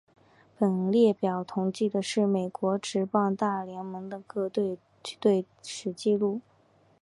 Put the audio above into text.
本列表统计的是美国职棒大联盟的各球队的队史纪录。